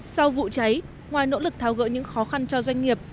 sau vụ cháy ngoài nỗ lực tháo gỡ những khó khăn cho doanh nghiệp